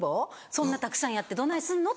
そんなたくさんやってどないすんの？